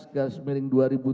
gas miring dua ribu tujuh belas